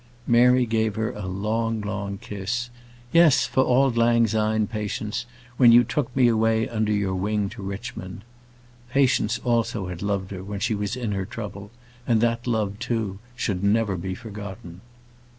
Mary gave a long, long kiss. "Yes, for auld lang syne, Patience; when you took me away under your wing to Richmond." Patience also had loved her when she was in her trouble, and that love, too, should never be forgotten.